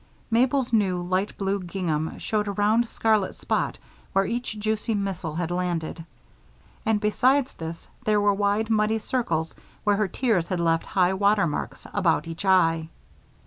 Mabel's new light blue gingham showed a round scarlet spot where each juicy missile had landed; and besides this, there were wide muddy circles where her tears had left highwater marks about each eye.